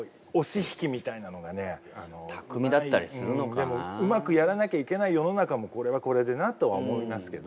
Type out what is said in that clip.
でもうまくやらなきゃいけない世の中もこれはこれでなとは思いますけど。